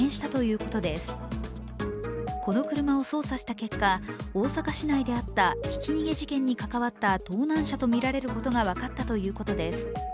この車を捜査した結果、大阪市内であったひき逃げ事件にかかわった盗難車とみられることが分かったということです。